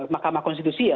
mahkamah konstitusi ya